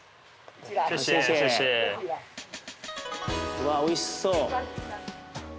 うわおいしそう。